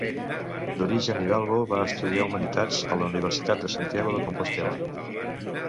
D'origen Hidalgo, va estudiar Humanitats a la Universitat de Santiago de Compostel·la.